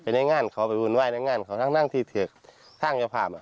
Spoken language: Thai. เป็นน่างานเขาบุญว่ายน่างานเขานั่งที่เถือกข้างเอาภาพ